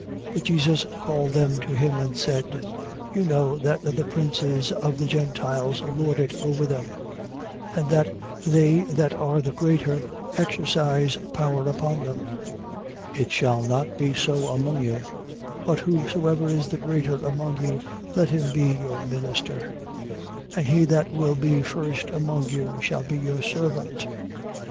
20:25. But Jesus called them to him and said: You know that the princes of the Gentiles lord it over them; and that they that are the greater, exercise power upon them. 20:26. It shall not be so among you: but whosoever is the greater among you, let him be your minister. 20:27. And he that will be first among you shall be your servant.